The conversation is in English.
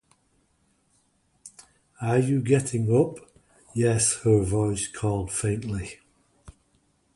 “Are you getting up?” “Yes,” her voice called faintly.